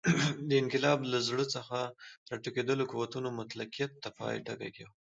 د انقلاب له زړه څخه راټوکېدلو قوتونو مطلقیت ته پای ټکی کېښود.